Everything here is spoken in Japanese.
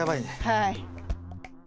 はい。